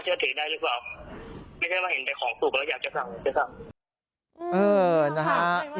ดูของสุขของที่อยากจะสั่ง